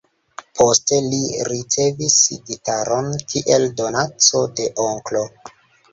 Poste li ricevis gitaron kiel donaco de onklo.